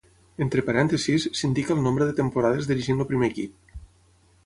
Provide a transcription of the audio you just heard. Entre parèntesis s'indica el nombre de temporades dirigint el primer equip.